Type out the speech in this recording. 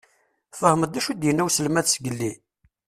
Tfehmeḍ d acu i d-inna uselmad zgelli?